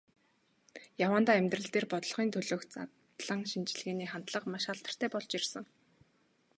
Яваандаа амьдрал дээр, бодлогын төлөөх задлан шинжилгээний хандлага маш алдартай болж ирсэн.